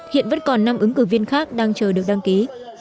hiện vẫn còn năm ứng cử viên khác đang chờ được đăng ký